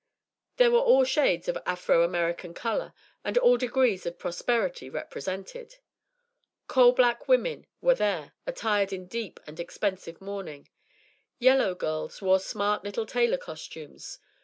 There were all shades of Afro American colour and all degrees of prosperity represented. Coal black women were there, attired in deep and expensive mourning. "Yellow girls" wore smart little tailor costumes.